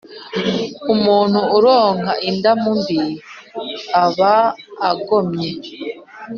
umuntu uronka indamu mbi aba agomye